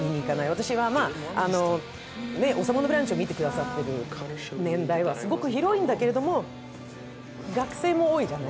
私は「王様のブランチ」を見てくださっている年代はすごく広いんだけれども、学生も多いじゃない。